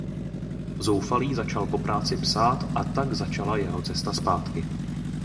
Zoufalý začal po práci psát a tak začala jeho cesta zpátky.